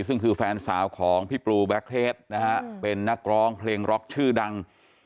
ซึ่งคือแฟนสาวของพี่ปลูแบ็คเทสนะฮะเป็นนักร้องเพลงร็อกชื่อดัง